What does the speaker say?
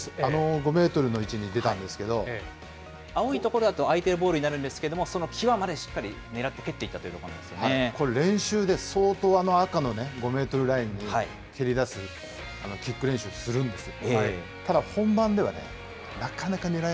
あの５メートルの青い所だと相手のボールになるんですけれども、その際までしっかり、狙って蹴っていったといこれ練習で相当あの赤の５メートルラインに蹴りだすキック練習するんですよ。